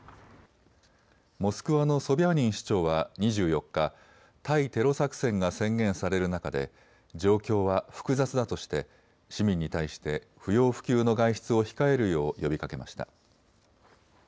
モスクワのソビャーニン市長は２４日、対テロ作戦が宣言される中で状況は複雑だとして市民に対して不要不急の外出を控えるよう呼びかけました。